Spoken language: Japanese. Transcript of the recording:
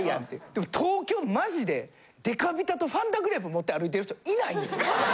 でも東京マジでデカビタとファンタグレープ持って歩いてる人いないんですよ。